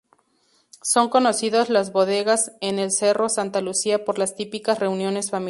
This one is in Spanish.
Son conocidas las bodegas en el Cerro Santa Lucía por las típicas reuniones familiares.